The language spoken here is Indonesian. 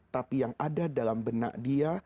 tapi yang ada dalam benak dia